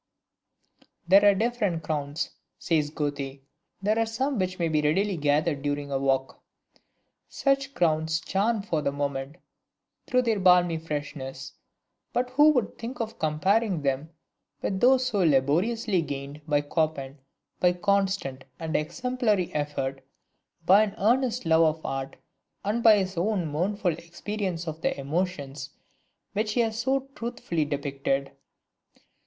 "There are different crowns," says Goethe, "there are some which may be readily gathered during a walk." Such crowns charm for the moment through their balmy freshness, but who would think of comparing them with those so laboriously gained by Chopin by constant and exemplary effort, by an earnest love of art, and by his own mournful experience of the emotions which he has so truthfully depicted?